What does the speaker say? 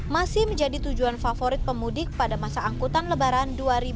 masih menjadi tujuan favorit pemudik pada masa angkutan lebaran dua ribu dua puluh